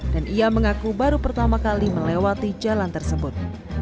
dan ia mengaku baru pertama kali melewati jalan tersebut